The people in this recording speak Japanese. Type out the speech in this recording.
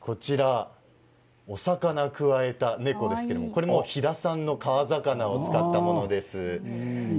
そしてお魚くわえた猫ですけど飛騨産の川魚を使ったものです。